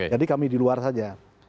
jadi kami di luar saja